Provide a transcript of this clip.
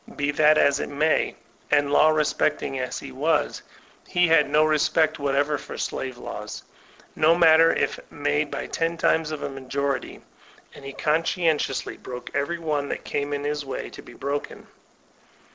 Be that as it may, and law respecting as be was, be had no respect whatever for slave laws, no matter if made by ten times of a majority; and he oon sdentiousty broke every one that came in his way to be broken.